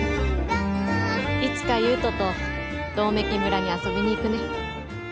いつか優斗と百目鬼村に遊びに行くね。